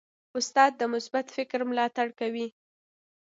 استاد د مثبت فکر ملاتړ کوي.